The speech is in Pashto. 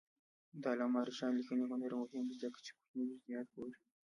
د علامه رشاد لیکنی هنر مهم دی ځکه چې کوچني جزئیات ګوري.